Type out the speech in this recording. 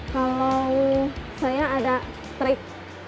kalau saya ada trik